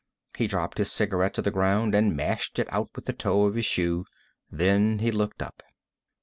He dropped his cigarette to the ground and mashed it out with the toe of his shoe. Then he looked up.